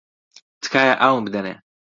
تکایە ئاوم بدەنێ.